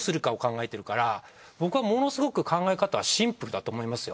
僕はものすごく考え方はシンプルだと思いますよ。